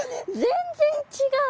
全然違う！